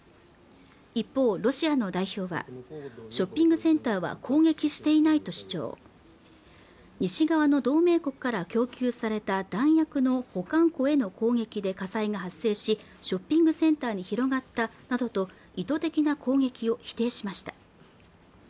一方ロシアの代表はショッピングセンターは攻撃していないと主張西側の同盟国から供給された弾薬の保管庫への攻撃で火災が発生しショッピングセンターに広がったなどと意図的な攻撃を否定しました